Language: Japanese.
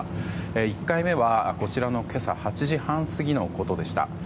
１回目は、こちらの今朝８時半過ぎのことでした。